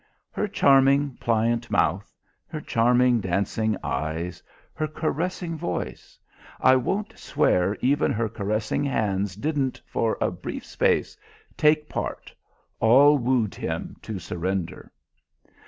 Her charming, pliant mouth; her charming dancing eyes; her caressing voice I won't swear even her caressing hands didn't, for a brief space, take part all wooed him to surrender.